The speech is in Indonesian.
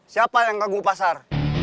siapa yang ganggu pasar